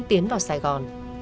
tiến vào sài gòn